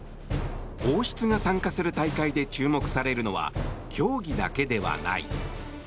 王室が参加する大会で注目されるのは競技だけではない。